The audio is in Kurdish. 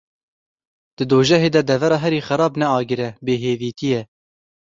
Di dojehê de devera herî xerab ne agir e, bêhêvîtî ye.